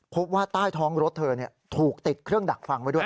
พบว่าใต้ท้องรถเธอถูกติดเครื่องดักฟังไว้ด้วย